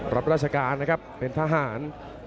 รับราชการนะครับเป็นทหาร